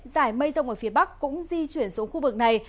giải mây rông ở phía bắc cũng di chuyển xuống khu vực này